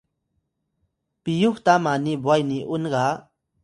piyux ta mani bway ni’un ga